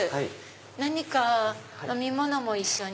何か飲み物も一緒に。